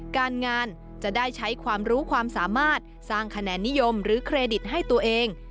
การงานจะได้ใช้ความรู้ความสามารถสร้างคะแนนนิยมหรือเครดิตให้ตัวเอง